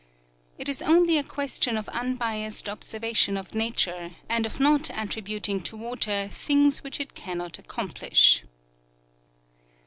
It is only a question of unbiased observation of nature, and of not attributing to water things which it cannot accomplish.